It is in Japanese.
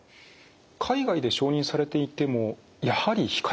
海外で承認されていてもやはり控えた方がいいんですか？